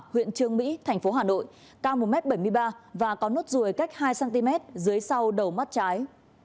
huyện trường mỹ tp hà nội cao một m bảy mươi ba và có nốt ruồi cách hai cm dưới sau đầu mắt trái